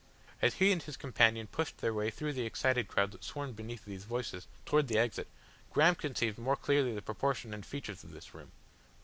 As he and his companion pushed their way through the excited crowd that swarmed beneath these voices, towards the exit, Graham conceived more clearly the proportion and features of this room.